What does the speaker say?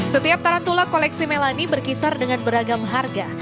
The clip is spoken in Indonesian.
setiap tarantula koleksi melani berkisar dengan beragam harga